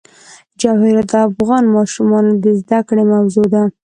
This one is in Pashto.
جواهرات د افغان ماشومانو د زده کړې موضوع ده.